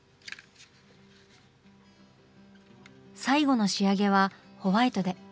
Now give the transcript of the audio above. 最後の仕上げはホワイトで。